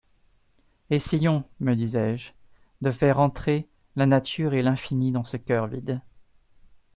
Essayons, me disais-je, de faire entrer la nature et l'infini dans ce coeur vide.